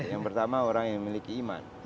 yang pertama orang yang memiliki iman